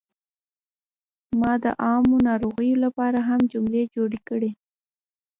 ما د عامو ناروغیو لپاره هم جملې جوړې کړې.